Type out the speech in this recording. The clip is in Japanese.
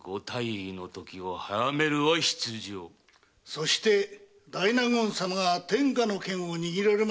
そして大納言様が天下の権を握られましょう。